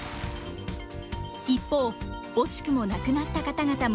一方惜しくも亡くなった方々も。